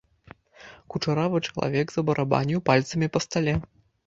Кучаравы чалавек забарабаніў пальцамі па стале.